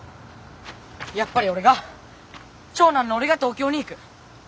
やっぱり俺が長男の俺が東京に行く！